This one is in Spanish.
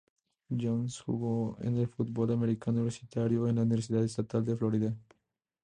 Jones jugó en el Fútbol americano universitario en la Universidad Estatal de Florida.